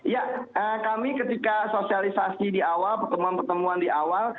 ya kami ketika sosialisasi di awal pertemuan pertemuan di awal